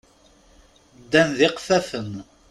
Ddan d iqeffafen.